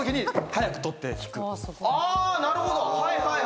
あなるほどはいはい。